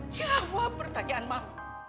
jawab pertanyaan mak